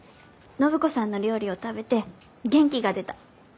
暢子さんの料理を食べて元気が出た。